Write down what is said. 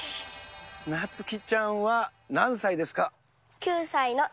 なつ希ちゃんは何歳ですか。